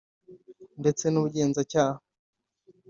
ndetse n’ubugenzacyaha